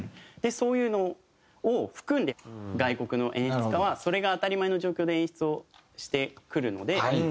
そういうのを含んで外国の演出家はそれが当たり前の状況で演出をしてくるので。